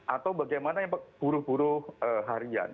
atau bagaimana yang buruh buruh harian